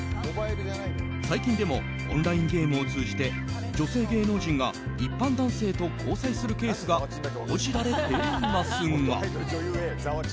最近でもオンラインゲームを通じて女性芸能人が一般男性と交際するケースが報じられていますが。